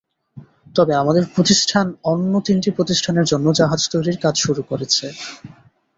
তবে আমাদের প্রতিষ্ঠান অন্য তিনটি প্রতিষ্ঠানের জন্য জাহাজ তৈরির কাজ শুরু করেছে।